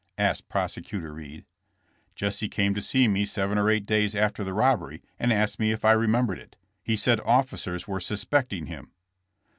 asked Prosecutor Reed. *' Jesse came to see me seven or eight days after the robbery and asked me if I remembered it. He said officers were suspecting him."